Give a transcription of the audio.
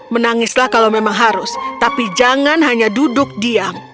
menangislah kalau memang harus tapi jangan hanya duduk diam